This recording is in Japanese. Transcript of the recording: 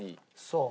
そう。